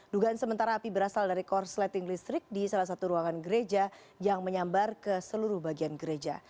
dugaan sementara api berasal dari korsleting listrik di salah satu ruangan gereja yang menyambar ke seluruh bagian gereja